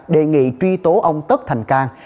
đề nghị truy tố ông tất thành cang